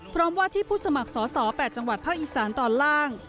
ว่าที่ผู้สมัครสอสอ๘จังหวัดภาคอีสานตอนล่าง